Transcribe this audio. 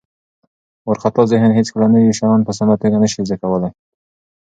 وارخطا ذهن هیڅکله نوي شیان په سمه توګه نه شي زده کولی.